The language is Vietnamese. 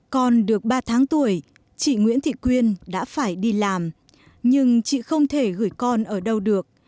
con được ba tháng tuổi chị nguyễn thị quyên đã phải đi làm nhưng chị không thể gửi con ở đâu được